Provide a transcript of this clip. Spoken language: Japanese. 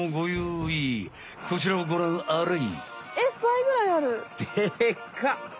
こちらをごらんあれい。